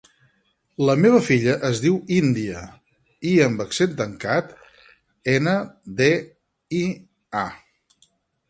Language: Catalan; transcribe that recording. La meva filla es diu Índia: i amb accent tancat, ena, de, i, a.